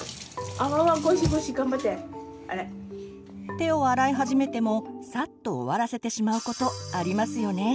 手を洗い始めてもさっと終わらせてしまうことありますよね。